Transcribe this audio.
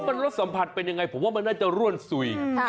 มันรสสัมผัสเป็นยังไงผมว่ามันน่าจะร่วนสุย